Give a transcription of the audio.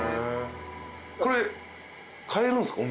これ買えるんすか？